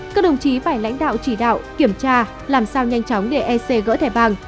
các đồng chí phải lãnh đạo chỉ đạo kiểm tra làm sao nhanh chóng để ec gỡ thẻ vàng